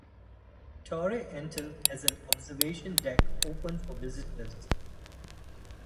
Torre Entel has an observation deck open for visitors.